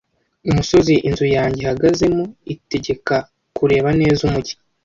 Umusozi inzu yanjye ihagazemo itegeka kureba neza umujyi.